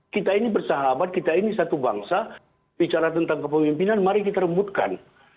kita ini bersahabat kita ini satu bangsa bicara tentang kepemimpinan mari kita rebutkan